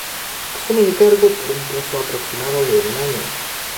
Asume el cargo por un plazo aproximado de un año.